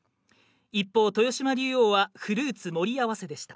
一方、豊島竜王はフルーツ盛り合わせでした。